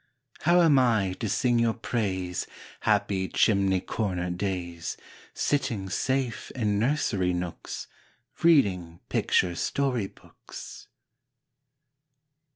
How am I to sing your praise, Happy chimney corner days, Sitting safe in nursery nooks, Reading picture story books?